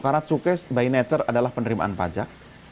karena cukai by nature adalah penerimaan pajak